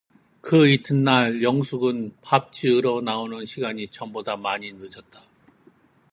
그 이튿날 영숙은 밥지으러 나오는 시간이 전보다 많이 늦었었다.